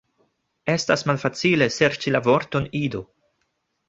Estas malfacile serĉi la vorton, Ido